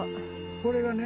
これがね